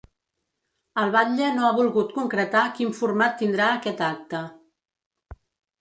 El batlle no ha volgut concretar quin format tindrà aquest acte.